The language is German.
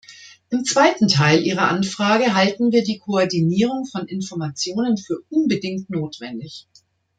Im zweiten Teil Ihrer Anfrage halten wir die Koordinierung von Informationen für unbedingt notwendig.